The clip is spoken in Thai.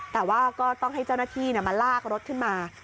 แต่ว่าก็ต้องให้เจ้าหน้าที่มาลากรถขึ้นมา